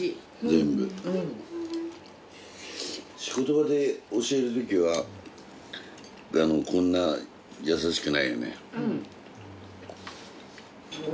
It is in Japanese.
仕事場で教えるときはこんな優しくないよね。